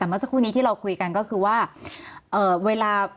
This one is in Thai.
แต่เมื่อสักครู่นี้ที่เราคุยกันก็คือว่าเวลา